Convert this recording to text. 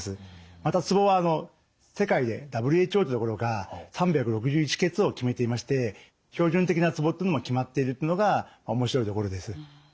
またツボは世界でＷＨＯというところが３６１穴を決めていまして標準的なツボっていうのも決まっているっていうのが面白いところです。